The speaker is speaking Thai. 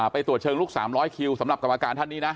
ไปตรวจเชิงลุก๓๐๐คิวสำหรับกรรมการท่านนี้นะ